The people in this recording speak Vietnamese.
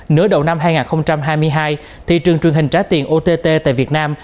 nửa đầu năm hai nghìn hai mươi hai thị trường truyền hình trả tiền ott tại việt nam